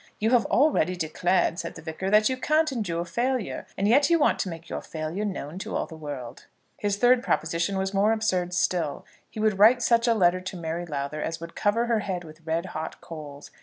"You have already declared," said the Vicar, "that you can't endure failure, and yet you want to make your failure known to all the world." His third proposition was more absurd still. He would write such a letter to Mary Lowther as would cover her head with red hot coals.